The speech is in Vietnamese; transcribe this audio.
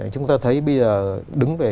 chúng ta thấy bây giờ đứng về